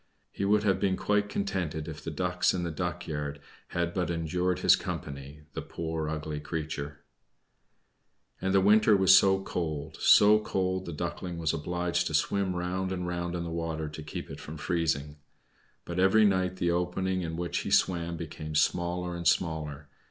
He would have been quite contented if the Ducks in the duck yard had but endured his company the poor, ugly creature. And the winter was so cold, so cold, the Duckling was obliged to swim round and round in the water to keep it from freezing. But every night the opening in which he swam became smaller and smaller.